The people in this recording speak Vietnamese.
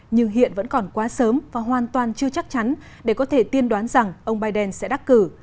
nhưng hiện vẫn còn quá sớm và hoàn toàn chưa chắc chắn để có thể tiên đoán rằng ông biden sẽ đắc cử